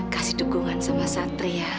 kasih dukungan sama satri ya